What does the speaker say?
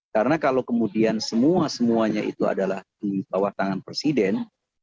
karena kalau kemudian semua semuanya itu adalah di bawah tangan presiden